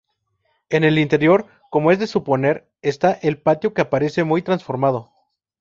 En el interior, como es de suponer, está el patio que aparece muy transformado.